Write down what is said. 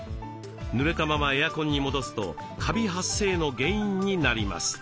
ぬれたままエアコンに戻すとカビ発生の原因になります。